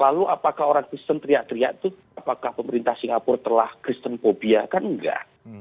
lalu apakah orang kristen teriak teriak itu apakah pemerintah singapura telah kristen fobia kan enggak